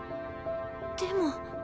でも。